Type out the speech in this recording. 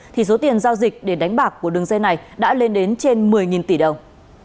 thì số tiền giao dịch để đánh bạc của đường dây này đã lên đến trên một mươi tỷ đồng